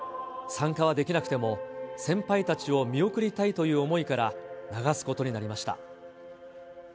参加はできなくても、先輩たちを見送りたいという思いから、流すことになりました。